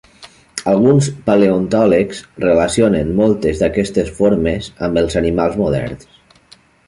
Alguns paleontòlegs relacionen moltes d'aquestes formes amb els animals moderns.